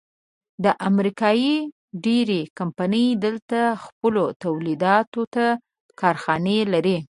د امریکې ډېرۍ کمپنۍ دلته خپلو تولیداتو ته کارخانې لري.